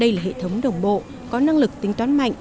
đây là hệ thống đồng bộ có năng lực tính toán mạnh